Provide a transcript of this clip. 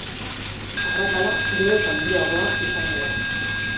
Arrakala gero eta handiagoa izango da.